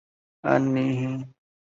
重要事件及趋势重要人物